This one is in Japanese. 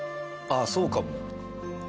ああそうかも。